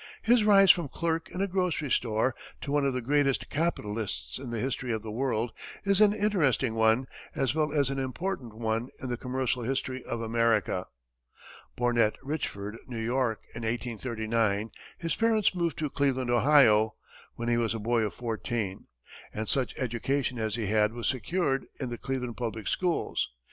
His rise from clerk in a grocery store to one of the greatest capitalists in the history of the world is an interesting one, as well as an important one in the commercial history of America. Born at Richford, New York, in 1839, his parents moved to Cleveland, Ohio, when he was a boy of fourteen, and such education as he had was secured in the Cleveland public schools.